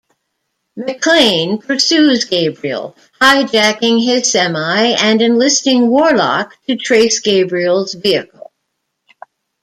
McClane pursues Gabriel, hijacking his semi and enlisting Warlock to trace Gabriel's vehicle.